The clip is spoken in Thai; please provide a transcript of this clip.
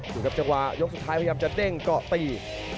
ดูครับจังหวะยกสุดท้ายพยายามจะเด้งเกาะตี